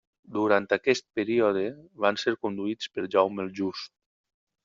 Durant aquest període, van ser conduïts per Jaume el Just.